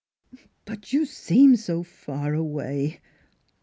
But you seem so far away.